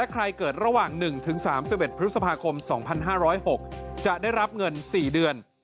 เกิดระหว่าง๑๓๑พฤษภาคม๒๕๐๖จะได้รับเงิน๔เดือน